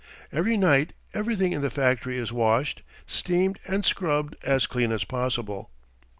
Every night everything in the factory is washed, steamed and scrubbed as clean as possible.